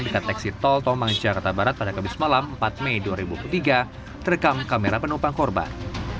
dekat eksi tol tomang jakarta barat pada kebis malam empat mei dua ribu tiga terekam kamera penumpang korban